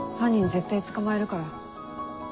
絶対捕まえるから。